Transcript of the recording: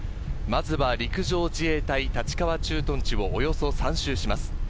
まずは陸上自衛隊立川駐屯地をおよそ３周します。